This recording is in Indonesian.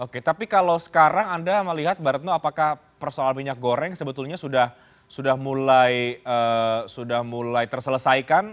oke tapi kalau sekarang anda melihat baratno apakah persoalan minyak goreng sebetulnya sudah mulai terselesaikan